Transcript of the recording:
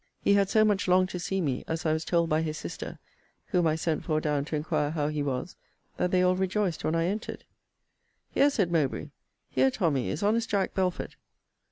He had so much longed to see me, as I was told by his sister, (whom I sent for down to inquire how he was,) that they all rejoiced when I entered: Here, said Mowbray, here, Tommy, is honest Jack Belford!